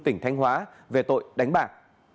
tỉnh thanh hóa về tội đánh bạc